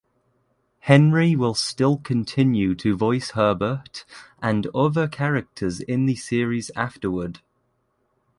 Henry will still continue to voice Herbert and other characters in the series afterward.